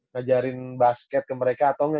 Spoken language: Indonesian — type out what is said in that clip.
ngajarin basket ke mereka atau nggak